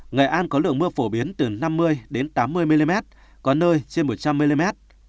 nghệ an có lượng mưa phổ biến từ năm mươi đến tám mươi mm có nơi trên một trăm linh mm